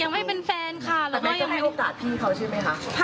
ไม่เป็นแฟนค่ะแล้วก็ยังให้โอกาสพี่เขาใช่ไหมคะ